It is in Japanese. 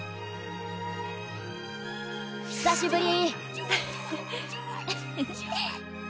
久しぶり！